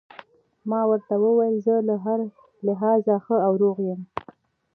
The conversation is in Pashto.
ما ورته وویل: زه له هر لحاظه ښه او روغ یم.